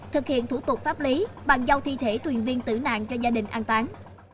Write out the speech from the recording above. thực hiện thủ tục pháp lý bằng giao thi thể thuyền viên tử nạn cho gia đình an tán